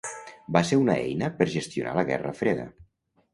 va ser una eina per gestionar la guerra freda